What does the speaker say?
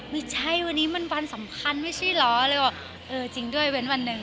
ไม่ใช่วันนี้มันวันสำคัญไม่ใช่เหรอเลยบอกเออจริงด้วยเว้นวันหนึ่ง